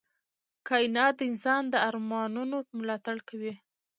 کائنات د انسان د ارمانونو ملاتړ کوي.